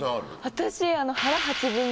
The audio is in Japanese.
私。